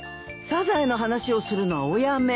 サザエの話をするのはおやめ。